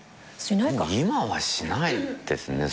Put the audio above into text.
今はしないですね